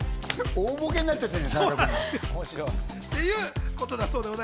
大ボケになっちゃってる